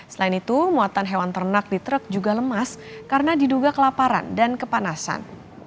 selain itu muatan hewan ternak di truk juga lemas karena diduga kelaparan dan kepanasan